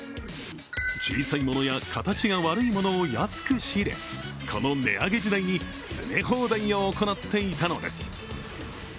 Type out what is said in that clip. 小さいものや形が悪いものを安く仕入れ、この値上げ時代に、詰め放題を行っていたのです。